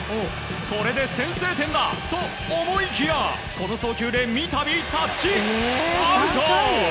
これで先制点だ！と思いきやこの送球で三度タッチアウト！